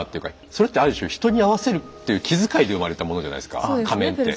それってある種人に合わせるっていう気遣いで生まれたものじゃないですか仮面って。